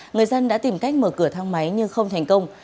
người dân đã tìm cách mở cửa thang máy nhưng không thành công